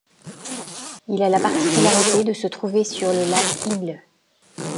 Il a la particularité de se trouver sur le lac Inle.